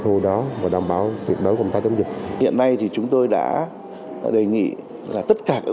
hồi đó và đảm bảo tuyệt đối công tác chống dịch hiện nay thì chúng tôi đã đề nghị là tất cả